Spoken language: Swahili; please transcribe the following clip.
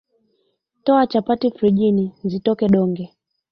Towa chapati frijini zitoke donge